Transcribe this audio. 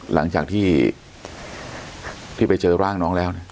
หลังจากที่ไปเจอร่างน้องแล้ว